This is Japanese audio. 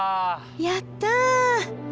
やった！